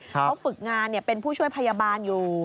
เขาฝึกงานเป็นผู้ช่วยพยาบาลอยู่